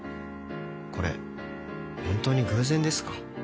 これ本当に偶然ですか？